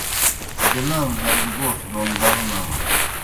بیلام زائی دہ گوݜ دون بر نانوْ۔